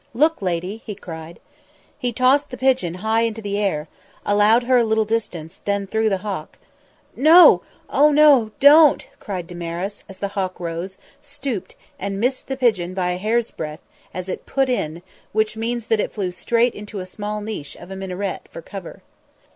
"Look, lady!" he cried. He tossed the pigeon high into the air, allowed her a little distance, then threw the hawk. "No! Oh, no! don't!" cried Damaris, as the hawk rose, "stooped" and missed the pigeon by a hair's breadth as it "put in", which means that it flew straight into a small niche of a minaret for cover.